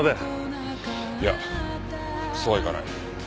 いやそうはいかない。